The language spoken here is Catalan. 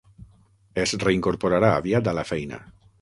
Es reincorporarà aviat a la feina.